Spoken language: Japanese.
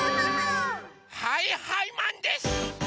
はいはいマンです！